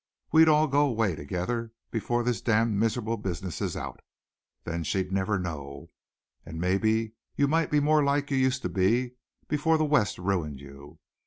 We'd all go away together before this damned miserable business is out. Then she'd never know. And maybe you might be more like you used to be before the West ruined you.